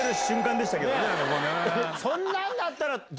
そんなんだったら。